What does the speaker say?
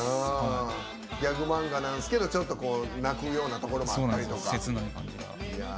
ギャグ漫画なんですけどちょっと泣くところもあったりとか。